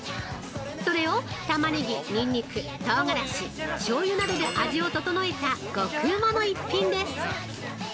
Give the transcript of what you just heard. それを、タマネギ、ニンニク、唐辛子、醤油などで味を調えた、極うまの一品です。